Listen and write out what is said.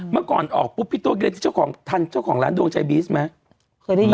เมื่อก่อนออกปุ๊บพิตัวกิลละติที่เจ้าของร้านดวงชายบีทซ์ไหม